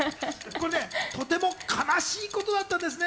これね、とても悲しいことだったんですね。